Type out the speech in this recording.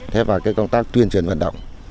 theo vào cái công tác tuyên truyền vận động